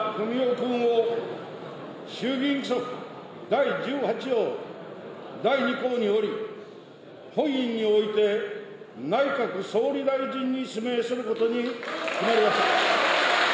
君を衆議院規則第１８条第２項により、本院において、内閣総理大臣に指名することに決まりました。